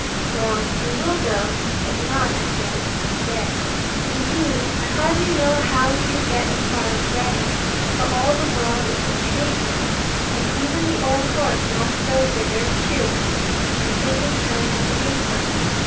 Well, we will go: but not, I think, to day. Indeed I hardly know how we could get as far as Reading; for all the world is in the hay field, and even the old horse must go thither too, and take his turn at the hay cart.